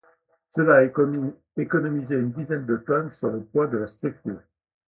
Cela a économisé une dizaine de tonnes sur le poids de la structure.